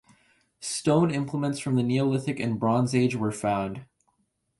Stone implements from the Neolithic and Bronze Age were found.